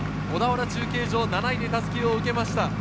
小田原中継所、７位で襷を受けました。